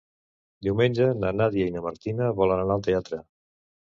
Diumenge na Nàdia i na Martina volen anar al teatre.